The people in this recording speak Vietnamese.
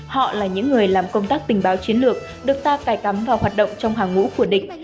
họ là những người làm công tác tình báo chiến lược được ta cài cắm vào hoạt động trong hàng ngũ của địch